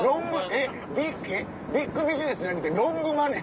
えっビッグビジネスじゃなくてロングマネー？